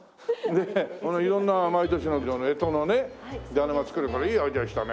この色んな毎年の干支のねだるま作るからいいアイデアにしたね！